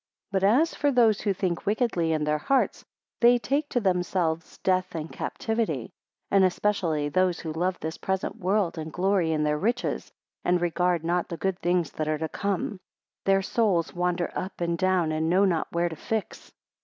11 But as for those who think wickedly in their hearts, they take to themselves death and captivity; and especially those who love this present world, and glory in their riches, and regard not the good things that are to come; their souls wander up and down and know not where to fix.